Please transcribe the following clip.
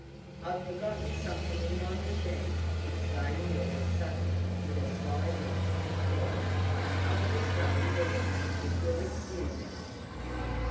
"I've forgotten something in my machine!" exclaimed Ed suddenly with a sly wink at Cora. "I'll just run and get it, if you'll excuse me."